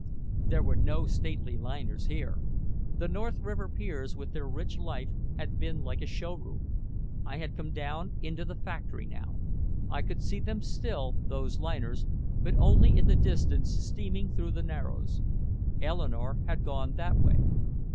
There were no stately liners here. The North River piers with their rich life had been like a show room. I had come down into the factory now. I could see them still, those liners, but only in the distance steaming through the Narrows. Eleanore had gone that way.